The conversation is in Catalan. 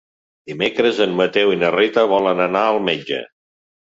Dimecres en Mateu i na Rita volen anar al metge.